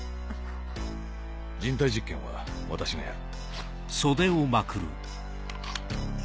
人体実験は私がやる。